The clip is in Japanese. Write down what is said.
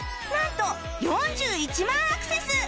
なんと４１万アクセス！